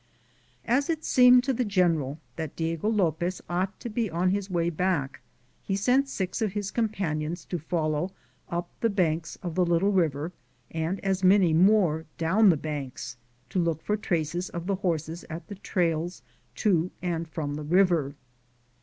« As it seemed to the general that Diego Lopez ought to be on his way back, he sent six of bis companions to follow up the banks of the little river, and as many more down the banks, to look for traces of the horses at the trails to and from the river.